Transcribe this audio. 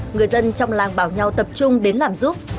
người dân trong làng bảo nhau tập trung đến làm giúp